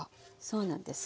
そうなんです。